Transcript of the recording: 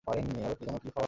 আর জানো কী হয়?